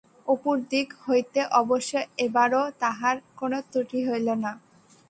অপুর দিক হইতে অবশ্য এবারও তাহার কোনো ত্রুটি হইল না।